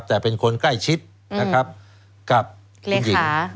แต่เป็นคนใกล้ชิดนะครับกับคุณหญิง